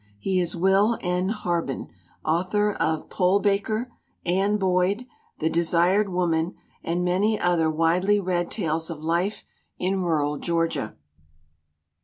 He is Will N. Harben, author of Pole Baker, Ann Boyd, The Desired Woman, and many other widely read tales of life in rural Georgia.